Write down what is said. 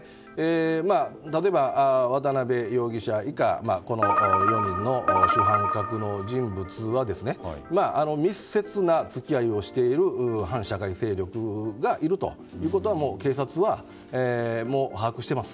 例えば渡辺容疑者以下この４人の主犯格の人物は密接な付き合いをしている反社会勢力がいるということは、警察は把握しています。